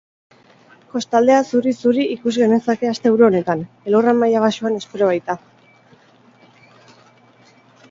Kostaldea zuri-zuri ikus genezake asteburu honetan, elurra maila baxuan espero baita.